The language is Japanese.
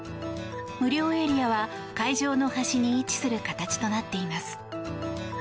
無料エリアは会場の端に位置する形となっています。